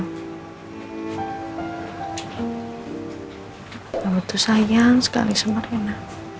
mama tuh sayang sekali sama rena